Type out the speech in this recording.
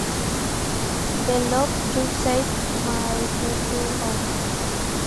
The love you save may be your own.